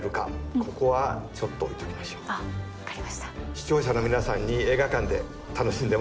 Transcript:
視聴者の皆さんに映画館で楽しんでもらいましょう。